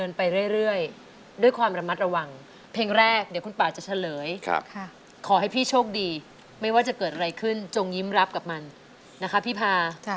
นะคะพี่ภาพี่ภาพี่ภาพี่ภา